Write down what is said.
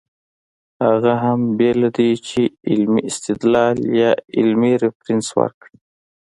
هغه هم بې له دې چې علمي استدلال يا علمي ريفرنس ورکړي